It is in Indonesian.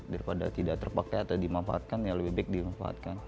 daripada tidak terpakai atau dimanfaatkan ya lebih baik dimanfaatkan